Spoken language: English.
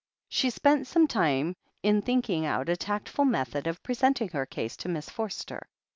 She spent some time in thinking out a tactful method of presenting her case to Miss Forster.